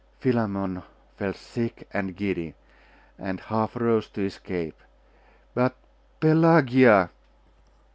Philammon felt sick and giddy, and half rose to escape. But Pelagia!....